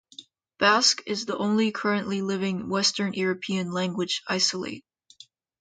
Basque is the only currently living Western European language isolate.